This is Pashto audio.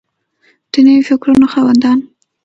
د نویو فکرونو خاوندان دي.